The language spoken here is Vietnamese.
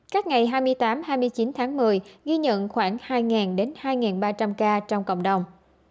các ngày hai mươi tám hai mươi chín tháng một mươi ghi nhận khoảng hai đến hai ba trăm linh ca trong cộng đồng